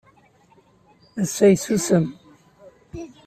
Ass-a yessusem.